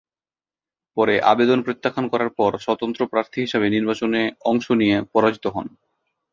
পরে আবেদন প্রত্যাখ্যান করার পর সতন্ত্র প্রার্থী হিসেবে নির্বাচনে অংশ নিয়ে পরাজিত হন।